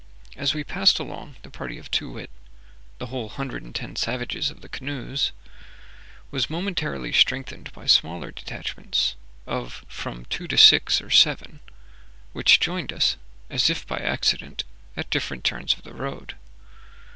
As we passed along, the party of Too wit (the whole hundred and ten savages of the canoes) was momentarily strengthened by smaller detachments, of from two to six or seven, which joined us, as if by accident, at different turns of the road.